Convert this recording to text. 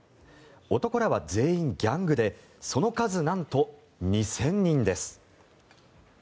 男らは全員ギャングでその数なんと２０００人です。